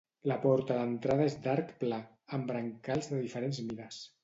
La porta d'entrada és d'arc pla, amb brancals de diferents mides.